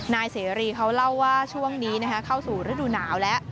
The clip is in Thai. นายเสรีเขาเล่าว่าช่วงนี้เข้าสู่ฤดูหนาวแล้ว